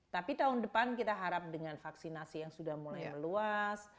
tapi tahun depan kita harap dengan vaksinasi yang sudah mulai meluas